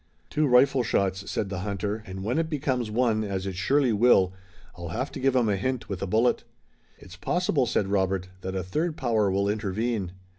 "Two rifle shots," said the hunter, "and when it becomes one, as it surely will, I'll have to give 'em a hint with a bullet." "It's possible,"' said Robert, "that a third power will intervene."